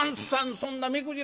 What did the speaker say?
そんな目くじら